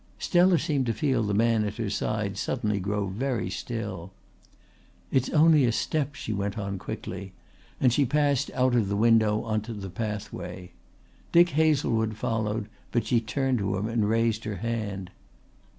Stella seemed to feel the man at her side suddenly grow very still. "It's only a step," she went on quickly and she passed out of the window on to the pathway. Dick Hazlewood followed but she turned to him and raised her hand.